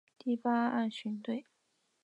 第八岸巡队